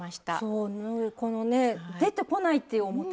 そうこのね出てこないっていう表に。